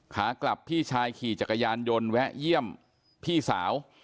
ขากลับพี่ชายขี่จักรยานยนต์แวะเยี่ยมพี่สาว